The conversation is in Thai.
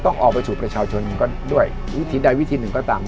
ต้องออกไปสู่ประชาชนก็ด้วยวิธีใดวิธีหนึ่งก็ตาม